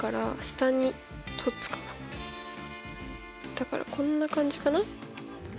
だからこんな感じかな。